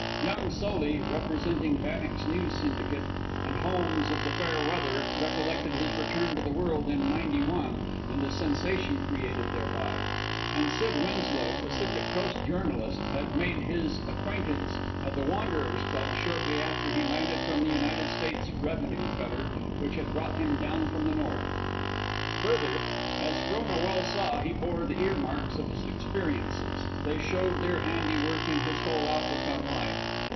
Young Soley, representing Bannock's News Syndicate, and Holmes of the Fairweather, recollected his return to the world in '91, and the sensation created thereby. And Sid Winslow, Pacific Coast journalist, had made his acquaintance at the Wanderers' Club shortly after he landed from the United States revenue cutter which had brought him down from the north. Further, as Frona well saw, he bore the ear marks of his experiences; they showed their handiwork in his whole outlook on life.